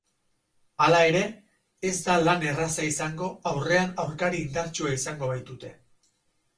Hala ere, ez da lan erraza izango aurrean aurkari indartsua izango baitute.